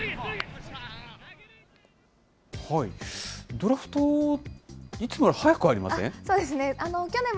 ドラフト、いつもより早くありません？